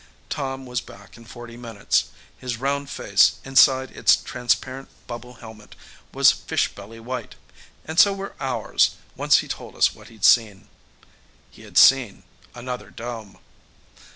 Tom was back in forty minutes. His round face, inside its transparent bubble helmet, was fish belly white. And so were ours, once he told us what he'd seen. He had seen another dome.